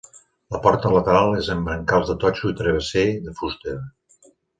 La porta lateral és amb brancals de totxo i travesser de fusta.